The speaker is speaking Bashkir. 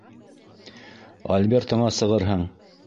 Альбертыңа сығырһың.